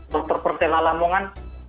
dr pertela lamongan